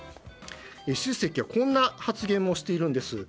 習主席はこんな発言もしているんです。